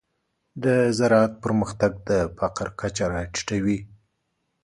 د زراعت پرمختګ د فقر کچه راټیټوي.